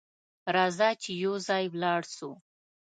راځه چې یو ځای ولاړ سو!